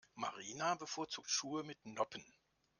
Marina bevorzugt Schuhe mit Noppen.